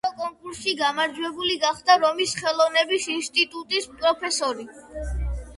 საჯარო კონკურსში გამარჯვებული გახდა რომის ხელოვნების ინსტიტუტის პროფესორი.